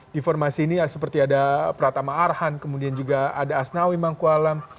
di formasi ini seperti ada pratama arhan kemudian juga ada asnawi mangkualam